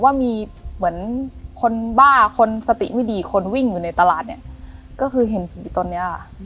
ว่ามีเหมือนคนบ้าคนสติไม่ดีคนวิ่งอยู่ในตลาดเนี่ยก็คือเห็นผีตอนนี้ค่ะ